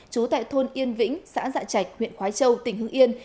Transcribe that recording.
trú tại thôn yên vĩnh xã dạ trạch huyện khói châu tỉnh hưng yên